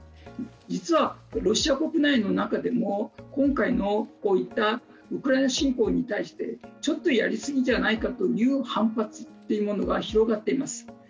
実はロシア国内でも今回のこういったウクライナ侵攻に対してちょっとやりすぎじゃないかという反発というものは広がっています。